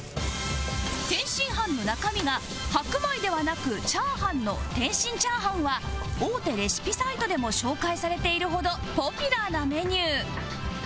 天津飯の中身が白米ではなく炒飯の天津炒飯は大手レシピサイトでも紹介されているほどポピュラーなメニュー